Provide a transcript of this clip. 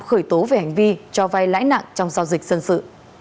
khởi tố về hành vi cho vay lãi nặng trong giao dịch dân sự